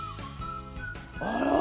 ああ！